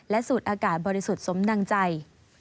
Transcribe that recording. สูดอากาศบริสุทธิ์สมดังใจ